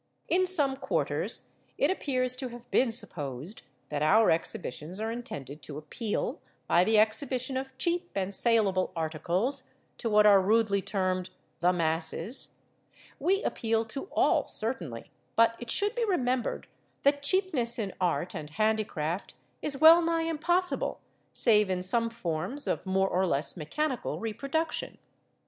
In some quarters it appears to have been supposed that our Exhibitions are intended to appeal, by the exhibition of cheap and saleable articles, to what are rudely termed "the masses"; we appeal to all certainly, but it should be remembered that cheapness in art and handicraft is well nigh impossible, save in some forms of more or less mechanical reproduction.